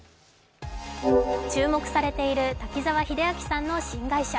注目されている滝沢秀明の新会社。